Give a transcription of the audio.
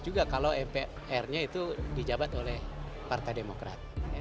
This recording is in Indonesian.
juga kalau mpr nya itu dijabat oleh partai demokrat